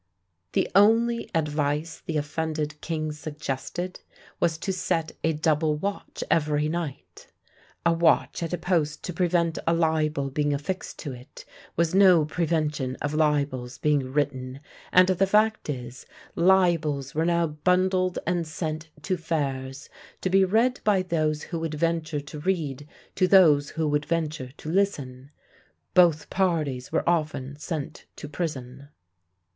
The only advice the offended king suggested was to set a double watch every night! A watch at a post to prevent a libel being affixed to it was no prevention of libels being written, and the fact is, libels were now bundled and sent to fairs, to be read by those who would venture to read to those who would venture to listen; both parties were often sent to prison.